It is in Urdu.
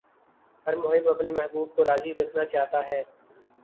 ہر محب اپنے محبوب کو راضی رکھنا چاہتا ہے۔